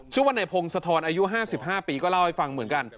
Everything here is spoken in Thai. ชื่อว่าในพงศธรอายุ๕๕ปีก็เล่าให้ฟังเหมือนกัน